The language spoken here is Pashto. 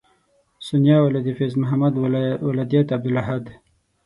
سونیا ولد فیض محمد ولدیت عبدالاحد